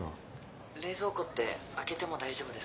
冷蔵庫って開けても大丈夫ですか？